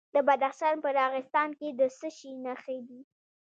د بدخشان په راغستان کې د څه شي نښې دي؟